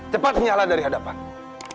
cepat nyalah dari hadapanmu